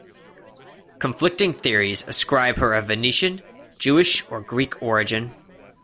Conflicting theories ascribe her a Venetian, Jewish or Greek origin.